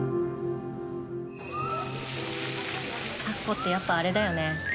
咲子ってやっぱあれだよね。